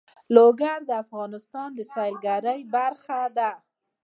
لوگر د افغانستان د سیلګرۍ برخه ده.